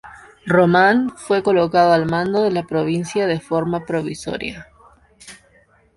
Román fue colocado al mando de la provincia de forma provisoria.